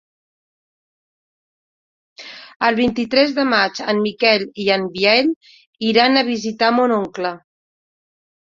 El vint-i-tres de maig en Miquel i en Biel iran a visitar mon oncle.